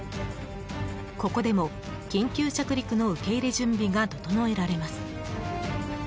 ここでも、緊急着陸の受け入れ準備が整えられます。